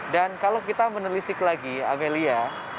dan kalau kita menelitik lagi amelia